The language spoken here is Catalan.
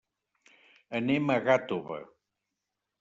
Anem a Gàtova.